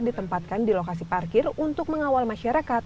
ditempatkan di lokasi parkir untuk mengawal masyarakat